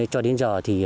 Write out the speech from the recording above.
cho đến giờ thì